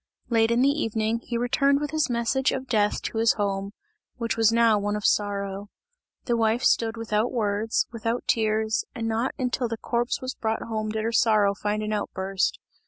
Late in the evening, he returned with his message of death to his home, which was now one of sorrow. The wife stood without words, without tears, and not until the corpse was brought home did her sorrow find an outburst.